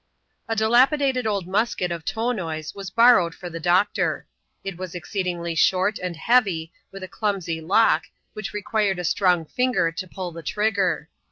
A dilapidated old musket of Tonoi's was borrowed for the doctor. It was exceedingly short and heavy, with a clumsy lock, which required a strong finger to pull the trigger.